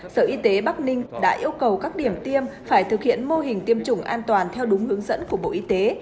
sở y tế bắc ninh đã yêu cầu các điểm tiêm phải thực hiện mô hình tiêm chủng an toàn theo đúng hướng dẫn của bộ y tế